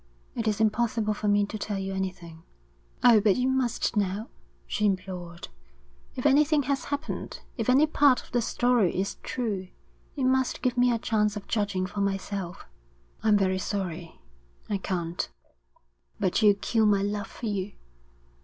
It is impossible for me to tell you anything.' 'Oh, but you must now,' she implored. 'If anything has happened, if any part of the story is true, you must give me a chance of judging for myself.' 'I'm very sorry. I can't.' 'But you'll kill my love for you.'